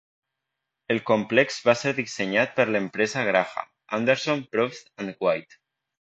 El complex va ser dissenyat per l'empresa Graham, Anderson, Probst and White.